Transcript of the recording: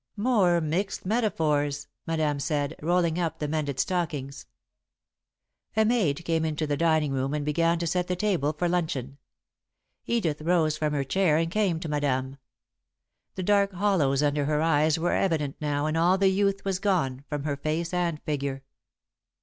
"More mixed metaphors," Madame said, rolling up the mended stockings. A maid came into the dining room and began to set the table for luncheon. Edith rose from her chair and came to Madame. The dark hollows under her eyes were evident now and all the youth was gone from her face and figure.